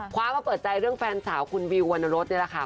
มาเปิดใจเรื่องแฟนสาวคุณวิววรรณรสนี่แหละค่ะ